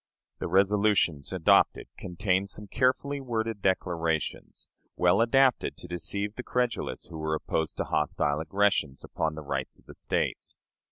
The resolutions adopted contained some carefully worded declarations, well adapted to deceive the credulous who were opposed to hostile aggressions upon the rights of the States.